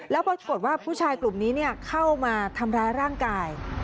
แล้วปรากฏว่าผู้ชายกลุ่มนี้เข้ามาทำร้ายร่างกาย